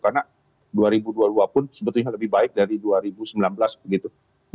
karena dua ribu dua puluh dua pun sebetulnya lebih baik dari dua ribu sembilan belas begitu